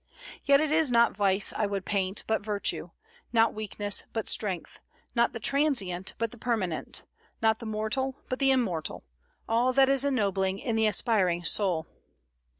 Yet it is not vice I would paint, but virtue; not weakness, but strength; not the transient, but the permanent; not the mortal, but the immortal, all that is ennobling in the aspiring soul.